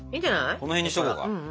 この辺にしとこうか。